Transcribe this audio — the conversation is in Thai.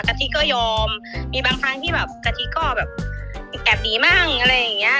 ทิก็ยอมมีบางครั้งที่แบบกะทิก็แบบแอบหนีมั่งอะไรอย่างเงี้ย